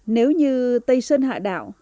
nếu như tây sơn hạ đạo